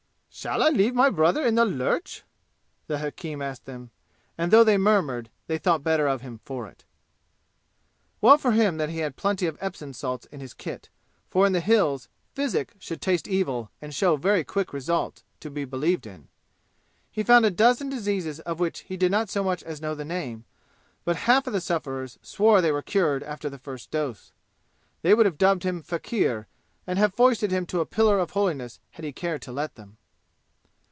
"Shall I leave my brother in the lurch?" the hakim asked them; and though they murmured, they thought better of him for it. Well for him that he had plenty of Epsom salts in his kit, for in the "Hills" physic should taste evil and show very quick results to be believed in. He found a dozen diseases of which he did not so much as know the name, but half of the sufferers swore they were cured after the first dose. They would have dubbed him faquir and have foisted him to a pillar of holiness had he cared to let them.